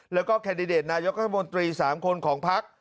แล้วก็แคดดเดทนายกข้าวมนตรี๓คนของพรรค